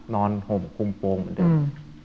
ห่มคุมโปรงเหมือนเดิม